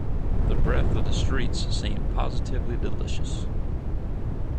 The breath of the streets seemed positively delicious.